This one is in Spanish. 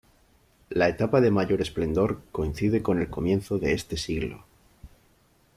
La etapa de mayor esplendor coincide con el comienzo de este siglo.